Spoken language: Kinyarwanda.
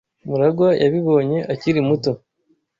MuragwA yabibonye akiri muto